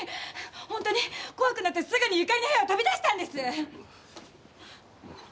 本当に怖くなってすぐに由佳里の部屋を飛び出したんです。